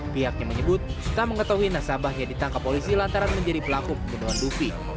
pihaknya menyebut tak mengetahui nasabah yang ditangkap polisi lantaran menjadi pelaku pembunuhan dufi